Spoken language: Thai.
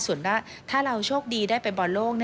ส่วนว่าถ้าเราโชคดีได้ไปบอลโลก